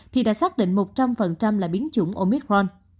thì đã xác định một trăm linh là biến chủng omicron